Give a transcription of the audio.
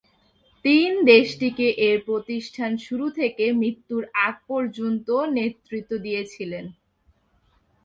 তিন দেশটিকে এর প্রতিষ্ঠার শুরু থেকে মৃত্যুর আগ পর্যন্ত নেতৃত্ব দিয়েছিলেন।